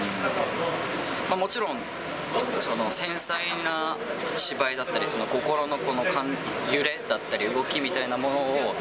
もちろん、繊細な芝居だったり、心の揺れだったり、動きみたいなものを、